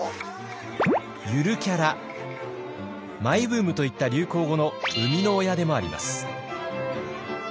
「ゆるキャラ」「マイブーム」といった流行語の生みの親でもあります。